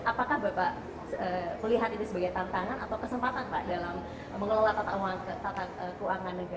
apakah bapak melihat ini sebagai tantangan atau kesempatan pak dalam mengelola tata keuangan negara